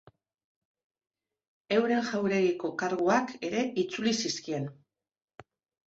Euren jauregiko karguak ere itzuli zizkien.